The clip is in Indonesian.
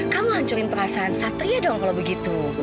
kamu hancurin perasaan satria dong kalau begitu